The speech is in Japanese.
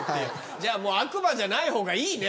じゃあ悪魔じゃないほうがいいね